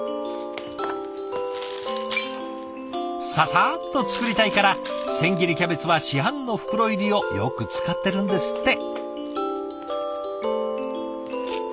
ささっと作りたいから千切りキャベツは市販の袋入りをよく使ってるんですって。